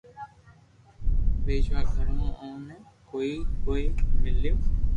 پئچوا گھر مون بي اوني ڪوئي ڪوئي ميليو